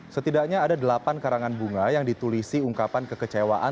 setidaknya ada delapan karangan bunga yang ditulisi ungkapan kekecewaan